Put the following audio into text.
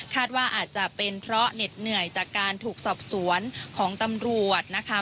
ว่าอาจจะเป็นเพราะเหน็ดเหนื่อยจากการถูกสอบสวนของตำรวจนะคะ